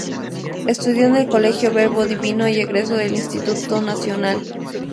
Estudió en el Colegio Verbo Divino y egresó del Instituto Nacional.